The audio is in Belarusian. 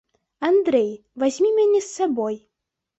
Андрэй, вазьмі мяне з сабой.